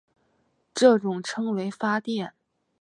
这被称为发电。